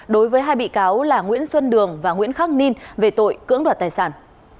đối với hai bị cáo là nguyễn xuân đường và nguyễn khắc ninh về tội cưỡng đoạt tài sản